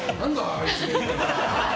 あいつ。